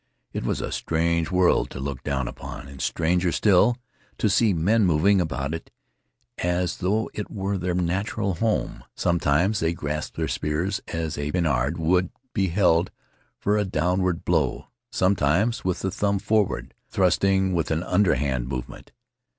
It was a strange world to look down upon and stranger still to see men moving about in it as though it were their natural home. Sometimes they grasped their spears as a poniard would be held for a downward blow; sometimes with the thumb forward, thrusting with an underhand movement.